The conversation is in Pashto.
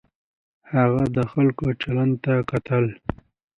هغه د خلکو چلند ته کتل.